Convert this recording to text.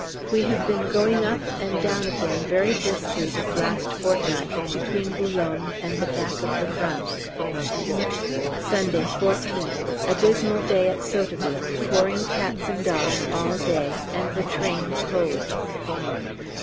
We have been going up and down again very briskly this last fortnight between B. and the Back of the Front. Sunday, 14th. A dismal day at Sotteville; pouring cats and dogs all day, and the train cold.